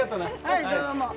はいどうも。